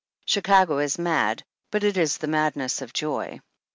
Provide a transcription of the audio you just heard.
"Chicago is mad, but it is the madness of joy.